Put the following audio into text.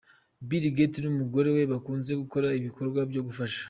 Bill Gates n'umugore we bakunze gukora ibikorwa byo gufasha.